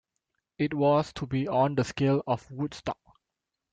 It was to be on the scale of Woodstock.